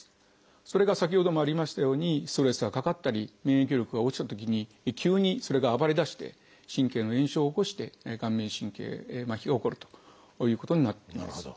それが先ほどもありましたようにストレスがかかったり免疫力が落ちたときに急にそれが暴れだして神経の炎症を起こして顔面神経麻痺が起こるということになっています。